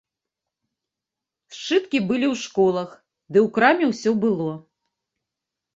Сшыткі былі ў школах, ды ў краме ўсё было.